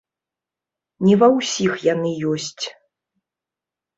Не ва ўсіх яны ёсць.